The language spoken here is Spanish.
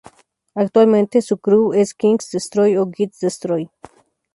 Actualmente su crew es "Kings Destroy" o "Kids Destroy".